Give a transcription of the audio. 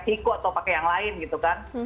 siku atau pakai yang lain gitu kan